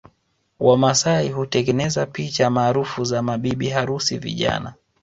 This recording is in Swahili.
Wamasai hutengeneza picha maarufu za mabibi harusi vijana